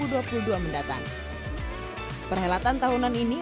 perhelatan tahunan ini untuk para desainer saya suka banget